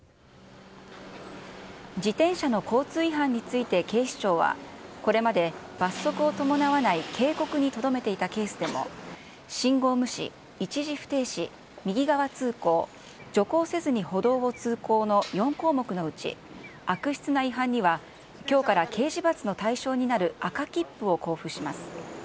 自転車の交通違反について、警視庁は、これまで罰則を伴わない警告にとどめていたケースでも、信号無視、一時不停止、右側通行、徐行せずに歩道を通行の４項目のうち、悪質な違反には、きょうから刑事罰の対象になる赤切符を交付します。